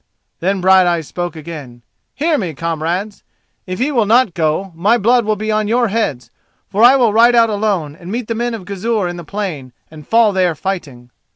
Then Brighteyes spoke again: "Hear me, comrades. If ye will not go, my blood will be on your heads, for I will ride out alone, and meet the men of Gizur in the plain and fall there fighting."